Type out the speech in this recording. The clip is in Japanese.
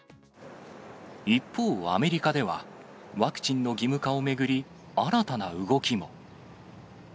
一方、アメリカでは、ワクチンの義務化を巡り、新たな動きも。